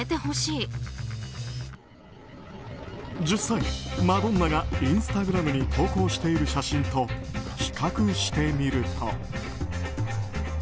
実際、マドンナがインスタグラムに投稿している写真と比較してみると。